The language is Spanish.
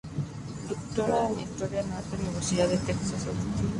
Doctora en Historia del Arte por la Universidad de Texas, en Austin.